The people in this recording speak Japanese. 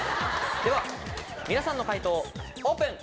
では皆さんの解答をオープン！